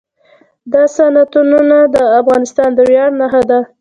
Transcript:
دا صنعتونه د افغانستان د ویاړ نښه ده.